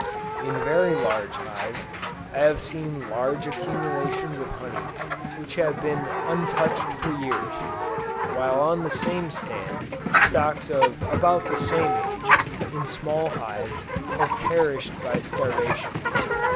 In very large hives, I have seen large accumulations of honey which have been untouched for years, while on the same stand, stocks of about the same age, in small hives have perished by starvation.